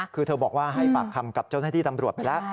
คือเธอบอกว่าให้ปากคำกับเจ้าหน้าที่ตำรวจไปแล้ว